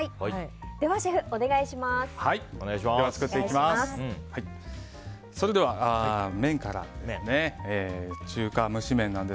ではシェフ、お願いします。